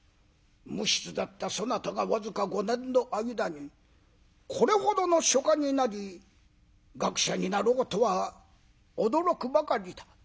無筆だったそなたが僅か５年の間にこれほどの書家になり学者になろうとは驚くばかりだ」。